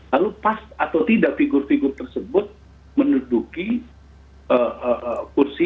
lalu pas atau tidak figur figur tersebut menuduki kursi di capres atau cawapres itu